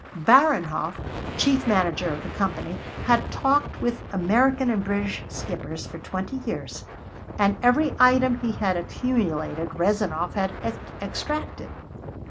Baranhov, chief manager of the Company, had talked with American and British skippers for twenty years, and every item he had accumulated Rezanov had extracted.